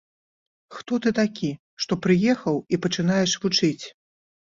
Хто ты такі, што прыехаў і пачынаеш вучыць.